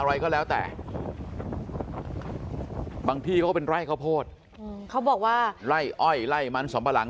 อะไรก็แล้วแต่บางที่เขาก็เป็นไร่ข้าวโพดเขาบอกว่าไล่อ้อยไล่มันสำปะหลัง